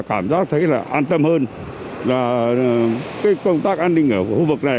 cảm giác thấy là an tâm hơn và cái công tác an ninh ở khu vực này